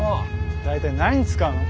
大体何に使うの？